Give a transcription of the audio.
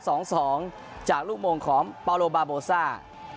สองสองจากลูกโมงของปาโลบาโบซ่า